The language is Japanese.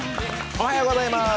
おはようございます。